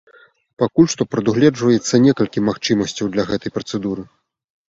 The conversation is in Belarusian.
Пакуль што прадугледжваецца некалькі магчымасцяў для гэтай працэдуры.